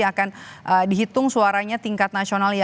yang akan dihitung suaranya tingkat nasionalnya